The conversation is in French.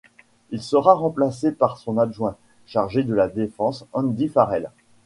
Il sera remplacé par son adjoint, chargé de la défense, Andy Farrell.